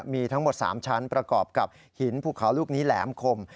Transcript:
มีทั้งหมด๓ชั้นประกอบกับหินภูเขาลูกนี้แหลมคม